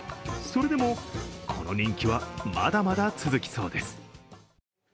それでもこの人気はまだまだ続きそうです。